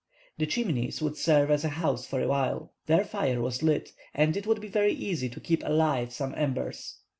The Chimneys would serve as a house for a while. Their fire was lit, and it would be easy to keep alive some embers.